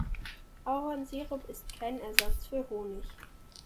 Ahornsirup ist kein Ersatz für Honig.